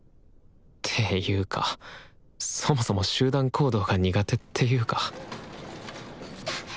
ていうかそもそも集団行動が苦手っていうか来た！